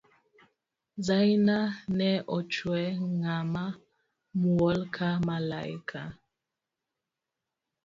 Zaina ne ochwe ng'ama muol ka maliaka